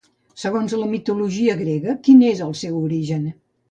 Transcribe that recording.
Segons la mitologia grega, quin és el seu origen?